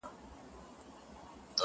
د نسترن څڼو کي،